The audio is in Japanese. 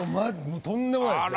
とんでもないですね。